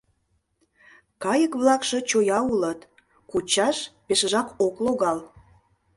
Кайык-влакше чоя улыт, кучаш пешыжак ок логал.